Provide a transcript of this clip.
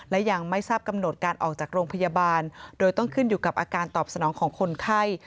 และยังไม่ทราบกำหนดการออกจากโรงพยาบาลโดยต้องขึ้นอยู่กับอาการตอบสนองของคนไข้